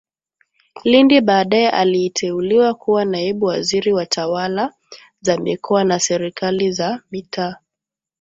LindiBaadaye aliteuliwa kuwa Naibu Waziri wa Tawala za Mikoa na Serikali za Mitaa